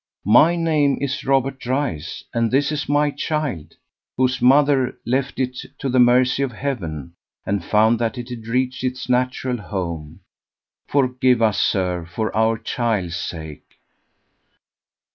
"My name is Robert Dryce, and this is my child, whose mother left it to the mercy of Heaven, and found that it had reached its natural home. Forgive us, sir, for our child's sake."